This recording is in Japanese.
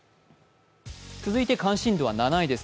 続いて関心度は７位です。